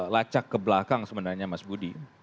lacak ke belakang sebenarnya mas budi